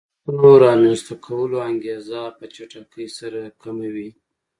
د نوښتونو رامنځته کولو انګېزه په چټکۍ سره کموي